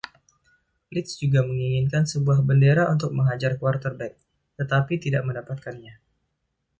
Leach juga menginginkan sebuah bendera untuk menghajar quarterback, tetapi tidak mendapatkannya.